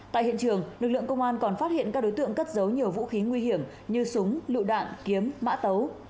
tại hiện trường lực lượng công an còn phát hiện các đối tượng cất giấu nhiều vũ khí nguy hiểm như súng lựu đạn kiếm mã tấu